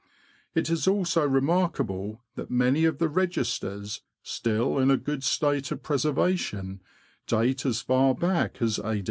It is also remarkable that many of the registers, still in a good state of preservation, date as far back as A.